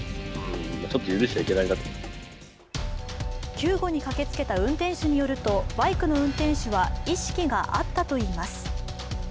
救護に駆けつけた運転手によるとバイクの運転手は意識があったといいます。